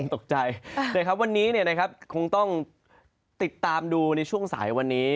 ตกใจนะครับวันนี้คงต้องติดตามดูในช่วงสายวันนี้